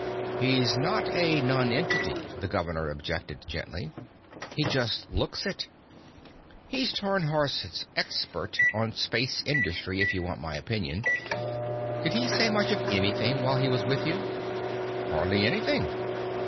"He's not a nonentity," the governor objected gently. "He just looks it. He's Tarnhorst's 'expert' on space industry, if you want my opinion. Did he say much of anything while he was with you?" "Hardly anything."